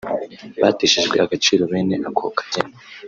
Bateshejwe agaciro bene ako kageni